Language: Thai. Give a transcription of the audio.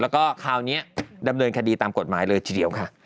แล้วก็คราวนี้ดำเนินคดีตามกฎหมายเลยทีเดียวค่ะ